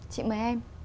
chị mời em